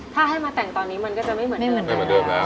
ถ้าให้มาแต่งตอนนี้มันก็จะไม่เหมือนเดิมแล้ว